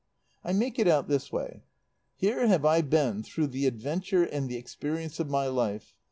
"I make it out this way. Here have I been through the adventure and the experience of my life.